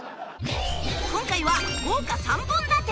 今回は豪華３本立て